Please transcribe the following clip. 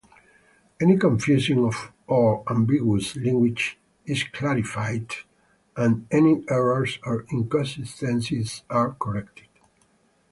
Any confusing or ambiguous language is clarified, and any errors or inconsistencies are corrected.